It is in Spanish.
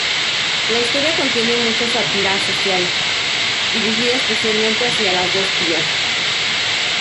La historia contiene mucha sátira social, dirigida especialmente hacia las dos tías.